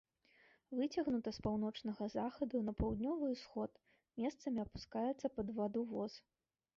Выцягнута з паўночнага захаду на паўднёвы ўсход, месцамі апускаецца пад ваду воз.